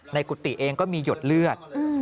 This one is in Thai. กุฏิเองก็มีหยดเลือด